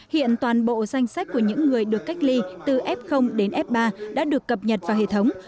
hiện toàn bộ danh sách của những người được cách ly từ f đến f ba đã được cập nhật vào hệ thống